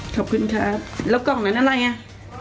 ขอบคุณครับแล้วกล่องนั้นอะไรอ่ะ